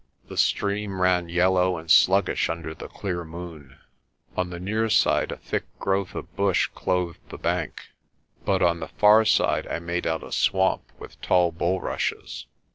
The stream ran yellow and sluggish under the clear moon. On the near side a thick growth of bush clothed the bank, but on the far side I made out a swamp with tall bulrushes.